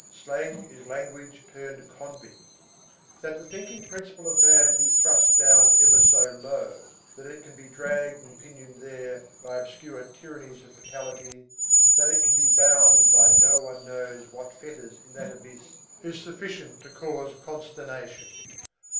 Slang is language turned convict. That the thinking principle of man be thrust down ever so low, that it can be dragged and pinioned there by obscure tyrannies of fatality, that it can be bound by no one knows what fetters in that abyss, is sufficient to create consternation.